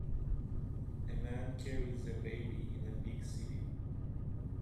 A man carries a baby in a big city.